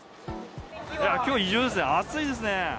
きょう、異常ですね、暑いですね。